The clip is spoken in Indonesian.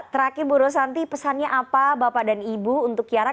terakhir bu rosanti pesannya apa bapak dan ibu untuk kiara